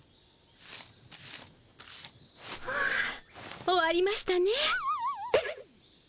はあ終わりましたね。